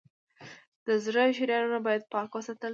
د زړه شریانونه باید پاک وساتل شي.